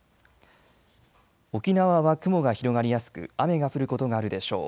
沖縄は雲が広がりやすく雨が降ることがあるでしょう。